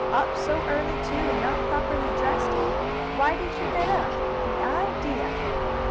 Up so early, too, and not properly dressed! Why did you get up? The idea!"